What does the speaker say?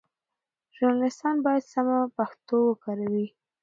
ژورنالیستان باید سمه پښتو وکاروي.